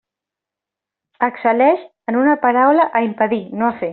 Excel·leix, en una paraula, a impedir, no a fer.